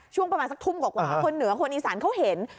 ช่วงประมาณสักทุ่มกว่าคนเหนือคนอีสานเขาเห็น